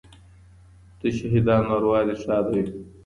د شهیدانو اروا دې شاده وي.